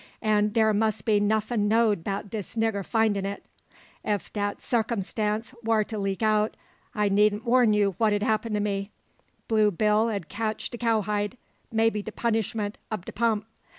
And dar must be nuffin' know'd 'bout dis nigga findin' it. Ef dat sakumstance war to leak out, I needn't warn you what 'ud happen to me. Blue Bill 'ud catch de cowhide, maybe de punishment ob de pump.